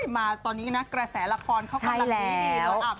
มาตอนนี้นะกระแสละครเขากำลังดีเนาะ